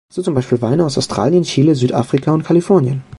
So zum Beispiel Weine aus Australien, Chile, Südafrika und Kalifornien.